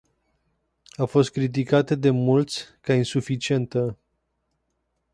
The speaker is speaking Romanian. A fost criticată de mulți ca insuficientă.